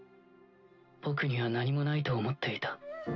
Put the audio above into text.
僕には何もないと思っていた。